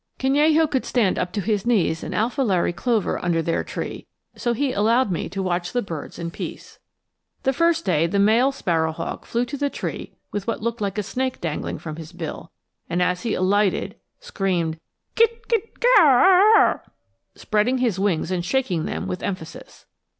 Canello could stand up to his knees in alfilaree clover under their tree, so he allowed me to watch the birds in peace. The first day the male sparrow hawk flew to the tree with what looked like a snake dangling from his bill, and as he alighted screamed kit kit'ar'r'r'r', spreading his wings and shaking them with emphasis.